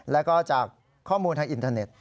แล้วก็จากข้อมูลทางอินเทอร์เน็ต